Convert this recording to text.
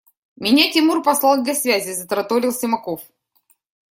– Меня Тимур послал для связи, – затараторил Симаков.